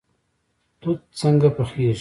توت څنګه پخیږي؟